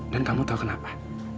dan kamu tau kenapa